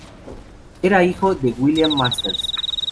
Era hijo de William Masters.